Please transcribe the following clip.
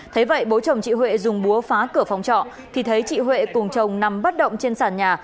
thấy vậy bố chồng chị huệ dùng búa phá cửa phòng trọ thì thấy chị huệ cùng chồng nằm bất động trên sàn nhà